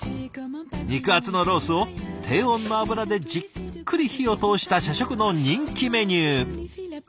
肉厚のロースを低温の油でじっくり火を通した社食の人気メニュー。